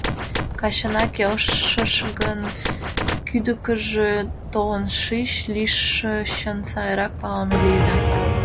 Качына келшыш гын, кӱдыкыжӧ толын шич, лишычын сайрак палыме лийыда.